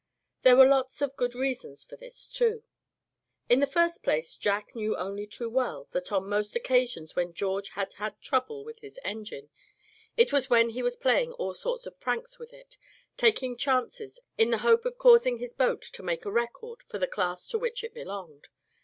There were lots of good reasons for this, too. In the first place Jack knew only too well that on most occasions when George had had trouble with his engine, it was when he was playing all sorts of pranks with it, taking chances, in the hope of causing his boat to make a record for the class to which it belonged.